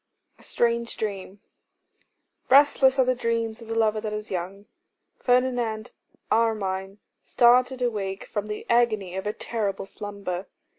A Strange Dream. RESTLESS are the dreams of the lover that is young. Ferdinand Armine started awake from the agony of a terrible slumber.